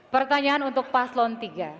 pertanyaan untuk paslon tiga